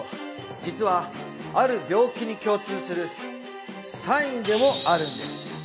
実はある病気に共通するサインでもあるんです